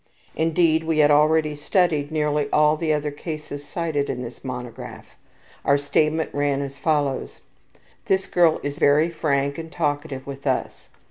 Indeed, we had already studied nearly all the other cases cited in this monograph. Our statement ran as follows: ``This girl is very frank and talkative with us.